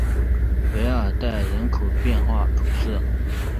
韦尔代人口变化图示